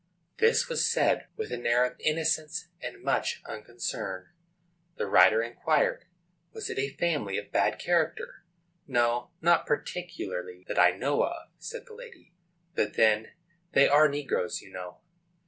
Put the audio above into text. This was said with an air of innocence and much unconcern. The writer inquired, "Was it a family of bad character?" "No, not particularly, that I know of," said the lady; "but then they are negroes, you know."